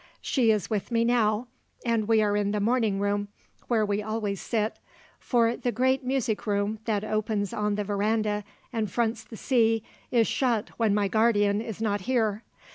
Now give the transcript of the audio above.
She is with me now, and we are in the morning room, where we always sit; for the great music room that opens on the verandah and fronts the sea is shut when my guardian is not here.